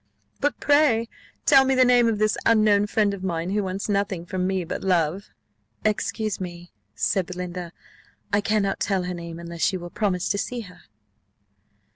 But pray tell me the name of this unknown friend of mine, who wants nothing from me but love." "Excuse me," said Belinda; "I cannot tell her name, unless you will promise to see her."